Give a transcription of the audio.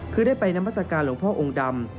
คือได้ไปนามัศกาลหลวงพ่อองค์ดำ